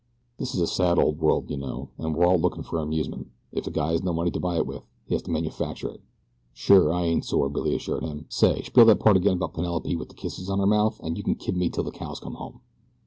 "This is a sad old world, you know, and we're all looking for amusement. If a guy has no money to buy it with, he has to manufacture it." "Sure, I ain't sore," Billy assured him. "Say, spiel that part again 'bout Penelope with the kisses on her mouth, an' you can kid me till the cows come home."